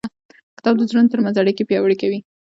کتاب د زړونو ترمنځ اړیکې پیاوړې کوي.